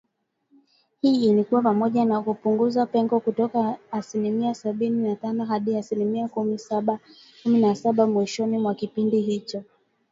Hii ilikuwa pamoja na kupunguza pengo kutoka asilimia sabini na tano hadi asilimia kumi na saba mwishoni mwa kipindi hicho